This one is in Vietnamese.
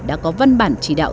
đã có văn bản chỉ đạo